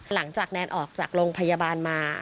หลังจากแนนออกจากโรงพยาบาลมา